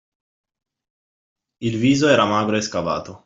Il viso era magro e scavato